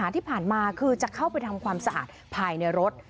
ที่ผ่านมาคือจะเข้าไปทำความสะอาดภายในรถ